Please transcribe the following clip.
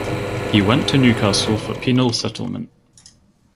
He went to Newcastle for penal settlement.